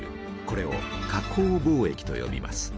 これを加工貿易とよびます。